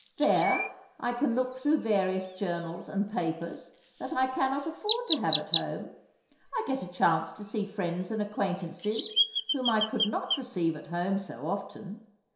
There I can look through various journals and papers that I cannot afford to have at home. I get a chance to see friends and acquaintances whom I could not receive at home so often.